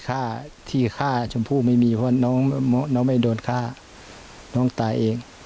ฆ่าที่ฆ่าชมพู่ไม่มีเพราะน้องน้องไม่โดนฆ่าน้องตายเอง